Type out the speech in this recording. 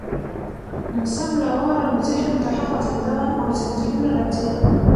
نو سم له واره مو ذهن ته هغه زندان او زنځیرونه راځي